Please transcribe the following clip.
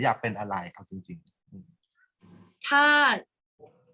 กากตัวทำอะไรบ้างอยู่ตรงนี้คนเดียว